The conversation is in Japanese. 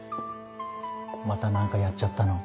また何かやっちゃったの？